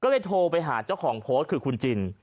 ก็เลยโทรไปหาเจ้าของโพสต์คือคุณจิน